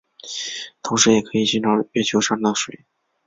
同时也可以寻找月球上的水。